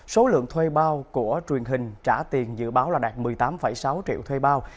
số lượng thuê bao của truyền hình trả tiền dự báo là đạt một mươi tám sáu triệu thuê bao